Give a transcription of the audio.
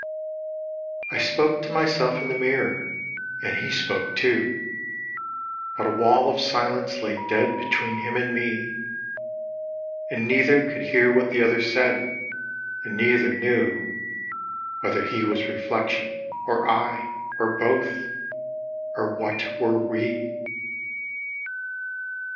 I spoke to myself in the mirror, and he spoke too ; But a wall of silence lay dead between him and me ; And neither could hear what the other said, and neither knew Whether he was reflexion, or I, or both, or what were we.